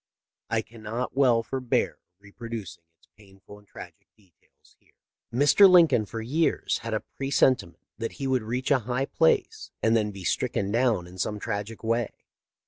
I cannot well forbear reproducing its painful and tragic details here.* " Mr. Lincoln for years had a presentiment that he would reach a high place and then be stricken down in some tragic way.